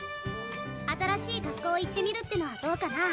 新しい学校行ってみるってのはどうかなあ。